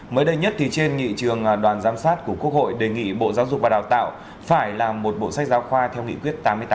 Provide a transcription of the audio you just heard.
mới đây nhất thì trên nghị trường đoàn giám sát của quốc hội đề nghị bộ giáo dục và đào tạo phải làm một bộ sách giáo khoa theo nghị quyết tám mươi tám